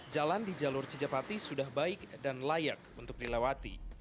jalan di jalur cijapati sudah baik dan layak untuk dilewati